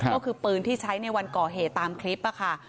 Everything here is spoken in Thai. ก็คือปืนที่ใช้ในวันก่อเหตุตามคลิปค่ะ